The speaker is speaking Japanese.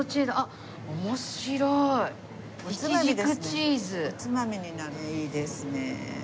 おつまみになるいいですね。